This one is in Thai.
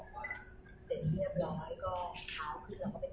เสร็จเรียบร้อยก็เช้าขึ้นแล้วก็ไปหลังหลัง